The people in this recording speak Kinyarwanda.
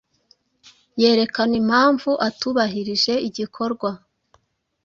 yerekana impamvu atubahirije igikorwa